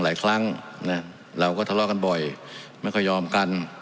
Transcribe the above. หลายครั้งนะเราก็ทะเลาะกันบ่อยไม่ค่อยยอมกัน